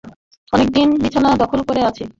অনেকদিন বিছানা দখল করে আছি।